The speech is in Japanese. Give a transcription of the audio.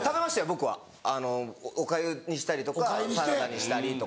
僕はおかゆにしたりとかサラダにしたりとか。